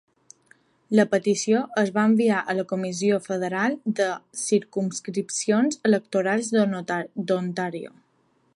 La petició es va enviar a la Comissió Federal de Circumscripcions Electorals d"Ontario.